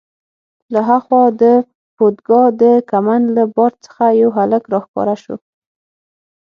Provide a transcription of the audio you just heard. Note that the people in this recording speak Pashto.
له ها خوا د پودګا د کمند له بار څخه یو هلک راښکاره شو.